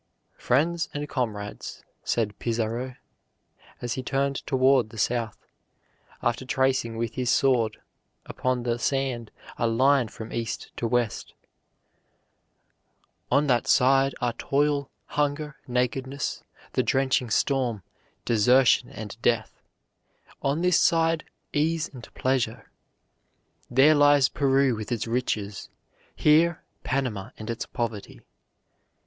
"Friends and comrades," said Pizarro, as he turned toward the south, after tracing with his sword upon the sand a line from east to west, "on that side are toil, hunger, nakedness, the drenching storm, desertion, and death; on this side, ease and pleasure. There lies Peru with its riches: here, Panama and its poverty.